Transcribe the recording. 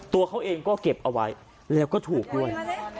ตัวเขาเองก็เก็บเอาไว้แล้วก็ถูกด้วย